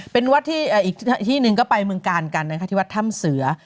เป็นวัดที่อีกที่หนึ่งก็ไปเมืองกาลกันนะคะที่วัดถ้ำเสือ